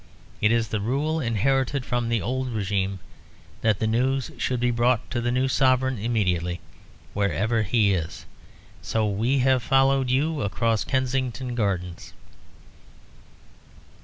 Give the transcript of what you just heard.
It is the rule, inherited from the old régime, that the news should be brought to the new Sovereign immediately, wherever he is; so we have followed you across Kensington Gardens."